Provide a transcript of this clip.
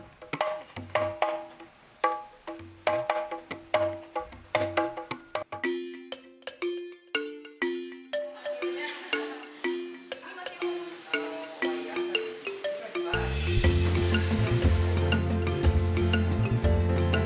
dan memiliki peluang untuk mencapai kekuatan yang lebih berharga